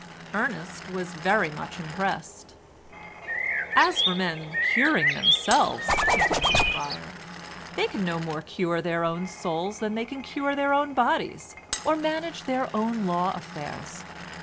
Ernest was very much impressed. "As for men curing themselves," continued Pryer, "they can no more cure their own souls than they can cure their own bodies, or manage their own law affairs.